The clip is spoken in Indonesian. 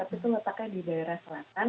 itu letaknya di daerah selatan